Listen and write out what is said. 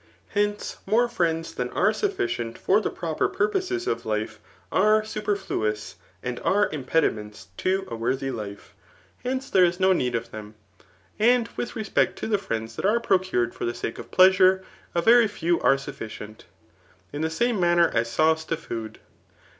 Hence, morQ fi^|nfls,;bfa9 are su^cient for the proper purposes of Kfe^ a^re supe; rAu9us9 and are impediments to a worthy life* T^fpc^ith^fi j§ no need of them. And with req>ect to ^f friends that ai^e procured for the sake of pleasure, a y^ few are sufficient ; in the same manner as sauce to ^ood^ ^uf.